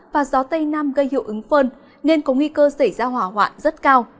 và gió tây nam gây hiệu ứng phơn nên có nguy cơ xảy ra hỏa hoạn rất cao